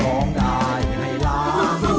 ร้องได้ให้ล้าน